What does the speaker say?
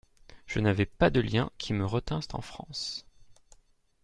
Je n'avais pas de liens qui me retinssent en France.